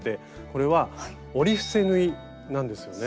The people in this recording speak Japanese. これは「折り伏せ縫い」なんですよね。